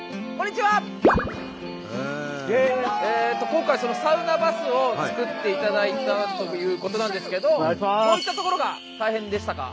今回サウナバスを作っていただいたということなんですけどどういったところが大変でしたか？